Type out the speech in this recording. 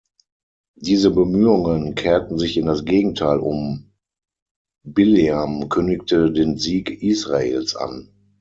Diese Bemühungen kehrten sich in das Gegenteil um, Bileam kündigte den Sieg Israels an.